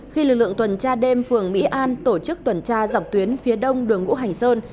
khi lực lượng tuần tra đêm phường mỹ an tổ chức tuần tra dọc tuyến phía đông đường ngũ hành sơn